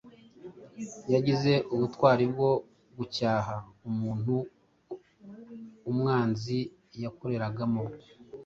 yagize ubutwari bwo gucyaha umuntu umwanzi yakoreragamo.